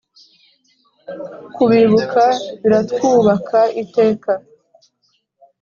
kubibuka biratwubaka iteka